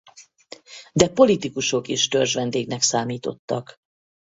De politikusok is törzsvendégnek számítottak.